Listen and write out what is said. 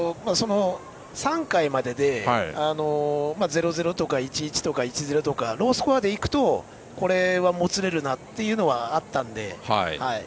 ３回までで０−０とか１−１とか１−０とかロースコアでいくとこれは、もつれるなというのはあったので。